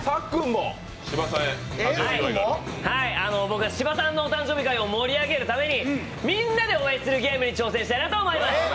僕は芝さんのお誕生日会を盛り上げるために、みんなで応援するゲームに挑戦したいと思います。